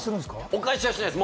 お返しはしないです。